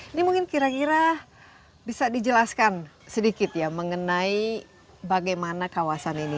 ini mungkin kira kira bisa dijelaskan sedikit ya mengenai bagaimana kawasan ini